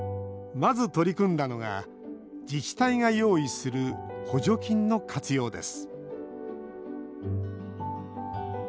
まず取り組んだのが自治体が用意する補助金の活用です